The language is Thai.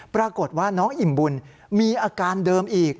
ปรากฏว่าน้องอิ่มบุญมีอาการเดิมอีก